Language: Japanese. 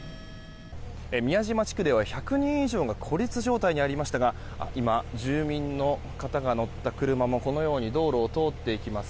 宮島地区では１００人以上が孤立状態にありましたが今、住民の方が乗った車も道路を通っていきます。